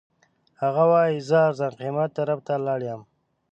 هغه وایي زه ارزان قیمت طرف ته لاړ یم.